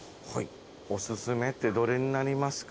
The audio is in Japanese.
おすすめってどれになりますか？